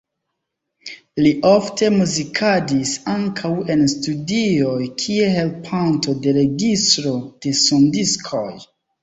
Li ofte muzikadis ankaŭ en studioj, kiel helpanto de registro de sondiskoj.